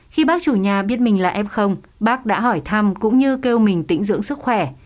khi bác chủ nhà biết mình là f bác đã hỏi thăm cũng như kêu mình tỉnh dưỡng sức khỏe